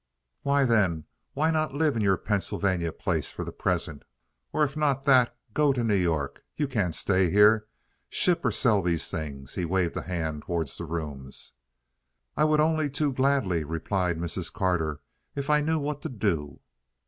"Well, then, why not live in your Pennsylvania place for the present, or, if not that, go to New York? You can't stay here. Ship or sell these things." He waved a hand toward the rooms. "I would only too gladly," replied Mrs. Carter, "if I knew what to do."